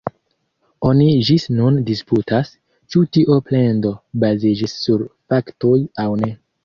Oni ĝis nun disputas, ĉu tio plendo baziĝis sur faktoj aŭ ne.